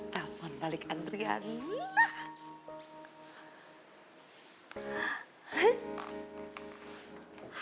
telepon balik andriani lah